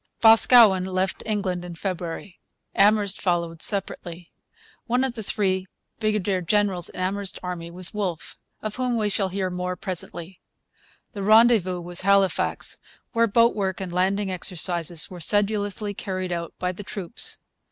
Boscawen left England in February. Amherst followed separately. One of the three brigadier generals in Amherst's army was Wolfe, of whom we shall hear more presently. The rendezvous was Halifax, where boat work and landing exercises were sedulously carried out by the troops.